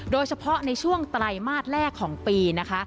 โดยเฉพาะในช่วงไตรมาสแรกของปีนะคะ